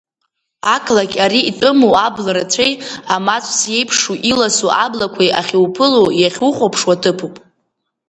Ақалақь ари итәыму абла рацәеи, амацәс еиԥшу иласу аблақәеи ахьуԥыло-иахьухәаԥшуа ҭыԥуп.